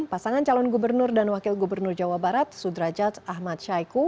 pasangan calon gubernur dan wakil gubernur jawa barat sudrajat ahmad syaiqo